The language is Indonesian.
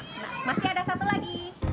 nah masih ada satu lagi